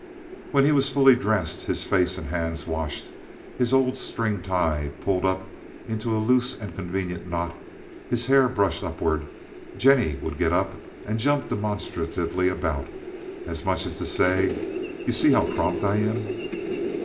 When he was fully dressed, his face and hands washed, his old string tie pulled around into a loose and convenient knot, his hair brushed upward, Jennie would get up and jump demonstratively about, as much as to say, "You see how prompt I am."